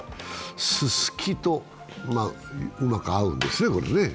すすきとうまく合うんですね。